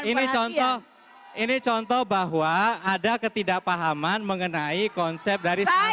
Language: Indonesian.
ini contoh bahwa ada ketidakpahaman mengenai konsep dari stunting itu